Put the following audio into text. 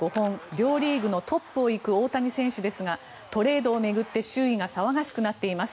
両リーグのトップを行く大谷選手ですがトレードを巡って周囲が騒がしくなっています。